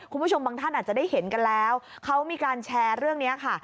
คุณผู้ชมบางท่านอาจจะได้เห็นกันแล้วเขามีการแชร์เรื่องนี้ค่ะ